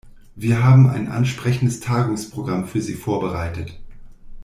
Wir haben ein ansprechendes Tagungsprogramm für Sie vorbereitet.